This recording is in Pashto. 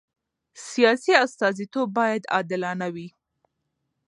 سیاسي استازیتوب باید عادلانه وي